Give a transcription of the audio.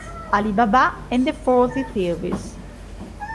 Ali Baba and the Forty Thieves